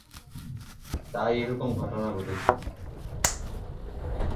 তাই এরকম ঘটনা ঘটেছে।